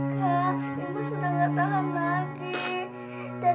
kak emas sudah tidak tahan lagi